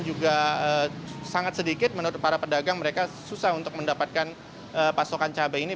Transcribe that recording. juga sangat sedikit menurut para pedagang mereka susah untuk mendapatkan pasokan cabai ini